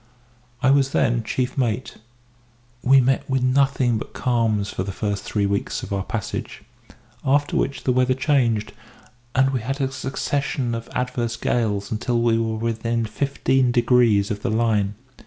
I was then chief mate. We met with nothing but calms for the first three weeks of our passage, after which the weather changed, and we had a succession of adverse gales until we were within fifteen degrees of the line.